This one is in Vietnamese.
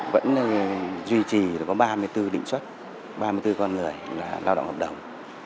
vẫn duy trì có ba mươi bốn định xuất ba mươi bốn con người là lao động hợp đồng